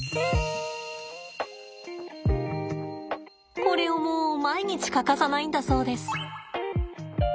これをもう毎日欠かさないんだそうです。